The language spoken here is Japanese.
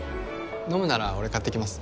飲むなら俺買ってきます